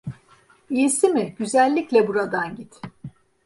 İyisi mi, güzellikle buradan git.